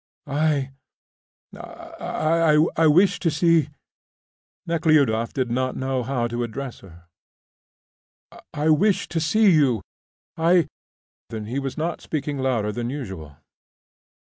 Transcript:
"I, I I wished to see " Nekhludoff did not know how to address her. "I wished to see you I " He was not speaking louder than usual.